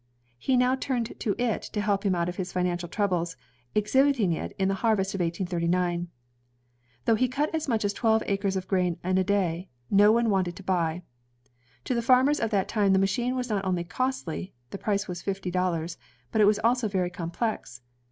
He now tinned to it to help him out of his financial troubles, exhibiting it in the harvest of 1839. Though he cut as much as twelve acres of grain in a day, no one wanted to buy. To the farmers of that time the machine was not only" costly, — the price was fifty dollars, — but it was also very complex.